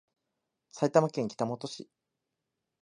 埼玉県北本市